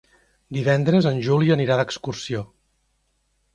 Divendres en Juli anirà d'excursió.